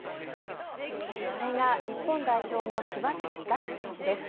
それが日本代表の柴崎岳選手です。